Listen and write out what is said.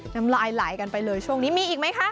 น้ำลายไหลกันไปเลยช่วงนี้มีอีกไหมคะ